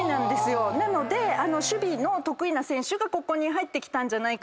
なので守備の得意な選手がここに入ってきたんじゃないかと。